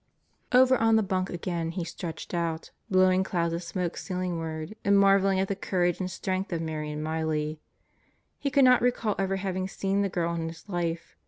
Over on the bunk again he stretched out, blowing clouds of smoke ceilingward and marveling at the courage and strength of Marion Miley. He could not recall ever having seen the girl in his life.